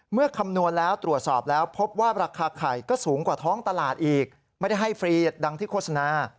คำนวณแล้วตรวจสอบแล้วพบว่าราคาไข่ก็สูงกว่าท้องตลาดอีกไม่ได้ให้ฟรีดังที่โฆษณา